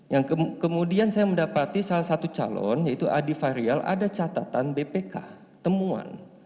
yang kemudian saya mendapati salah satu calon yaitu adi fahrial ada catatan bpk temuan